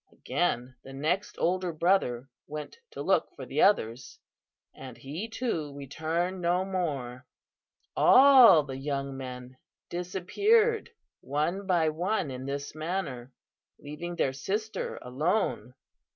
Again, the next older brother went to look for the others, and he too returned no more. All the young men disappeared one by one in this manner, leaving their sister alone.